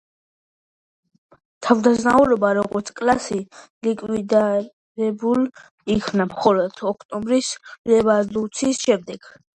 თავადაზნაურობა, როგორც კლასი, ლიკვიდირებულ იქნა მხოლოდ ოქტომბრის რევოლუციის შემდეგ.